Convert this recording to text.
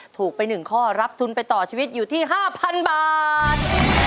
ถูกไป๑ข้อรับทุนไปต่อชีวิตอยู่ที่๕๐๐๐บาท